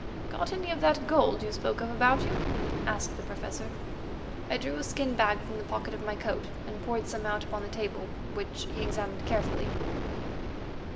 "Got any of that gold you spoke of about you?" asked the Professor. I drew a skin bag from the pocket of my coat, and poured some out upon the table, which he examined carefully.